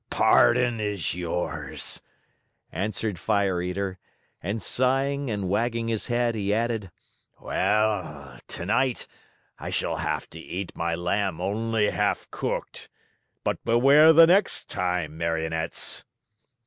"Pardon is yours!" answered Fire Eater; and sighing and wagging his head, he added: "Well, tonight I shall have to eat my lamb only half cooked, but beware the next time, Marionettes."